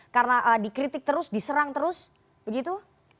karena dikritik terus diserang terus begitu